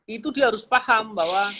itu dia harus paham bahwa